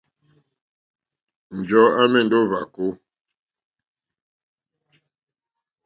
Njɔ̀ɔ́ à mɛ̀ndɛ́ ó hwàkó.